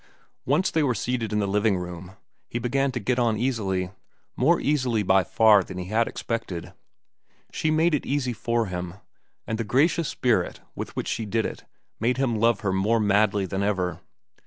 Once they were seated in the living room, he began to get on easily—more easily by far than he had expected. She made it easy for him; and the gracious spirit with which she did it made him love her more madly than ever.